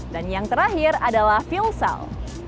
dan yang terakhir adalah fuel cell